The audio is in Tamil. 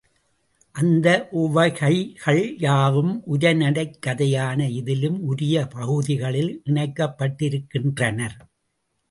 அந்த உவகைகள் யாவும் உரைநடைக் கதையான இதிலும் உரிய பகுதிகளில் இணைக்கப்பட்டிருக்கின்றன.